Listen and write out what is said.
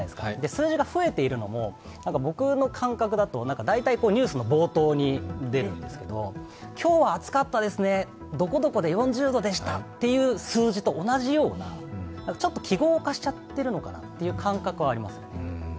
数字が増えているのも僕の感覚だと大体ニュースの冒頭に出るんですが今日は暑かったですね、どこどこで４０度でしたという数字と同じような、ちょっと記号化しちゃってるのかなという感覚はあります。